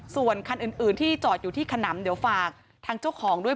ส่วนคันอื่นที่จอดอยู่ที่ขนำเดี๋ยวฝากทางเจ้าของด้วย